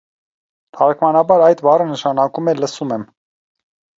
Թարգմանաբար այդ բառը նշանակում է «լսում եմ»։